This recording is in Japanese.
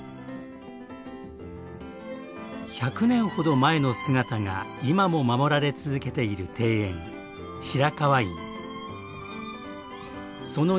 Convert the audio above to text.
１００年ほど前の姿が今も守られ続けている庭園白河院。